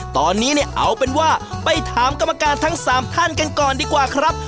ตอนนี้เนี่ยเอาเป็นว่าไปถามกรรมการทั้ง๓ท่านกันก่อนดีกว่าครับ